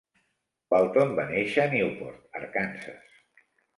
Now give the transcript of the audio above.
Walton va néixer a Newport (Arkansas).